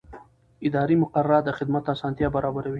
اداري مقررات د خدمت اسانتیا برابروي.